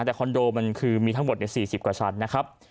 แต่คอนโดมันคือมีทั้งหมดเนี้ยสี่สิบกว่าชั้นนะครับ